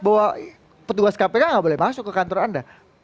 bahwa petugas kpk nggak boleh masuk ke kantor anda